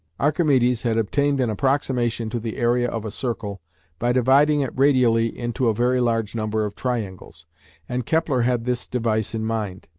Archimedes had obtained an approximation to the area of a circle by dividing it radially into a very large number of triangles, and Kepler had this device in mind.